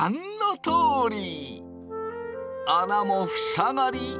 穴もふさがり